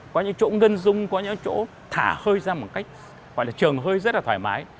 có những chỗ ngân dung có những chỗ thả hơi ra một cách gọi là trường hơi rất là thoải mái